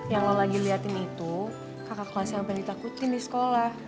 yang lo lagi lihatin itu kakak kelas yang pengen ditakutin di sekolah